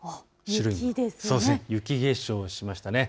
雪化粧をしましたね。